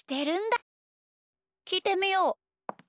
きいてみよう。